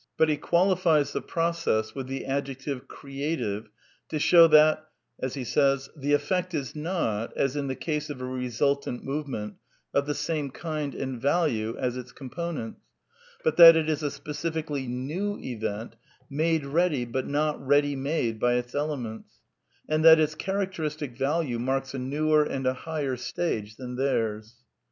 But he qualifies the process with the adjective ^^ cre ative '' to show that ^'ihe effect is not, as in the case of a resultant movement, of the same kind and value as its components, but that it is a specifically new event, made ready but not ready made, by its elements (vorhereitetee aber nicht vorgehUdeies) and that its ^k, characteristic value marks a newer and a higher stage ibaaar'^f theirs.''